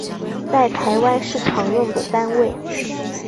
在台湾是常用的单位